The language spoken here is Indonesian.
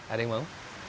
ada yang mau